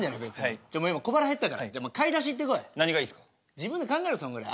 自分で考えろそんぐらい。